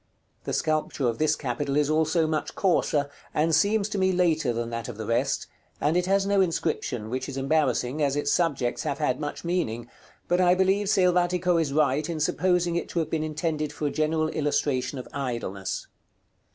The sculpture of this capital is also much coarser, and seems to me later than that of the rest; and it has no inscription, which is embarrassing, as its subjects have had much meaning; but I believe Selvatico is right in supposing it to have been intended for a general illustration of Idleness.